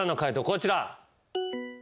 こちら。